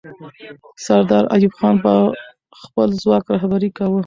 سردار ایوب خان به خپل ځواک رهبري کاوه.